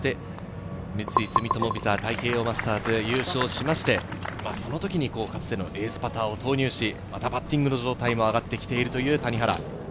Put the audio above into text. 三井住友ＶＩＳＡ太平洋マスターズを優勝しまして、その時にかつてのエースパターを投入し、またパッティングの状態も上がってきているという谷原。